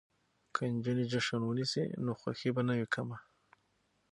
که نجونې جشن ونیسي نو خوښي به نه وي کمه.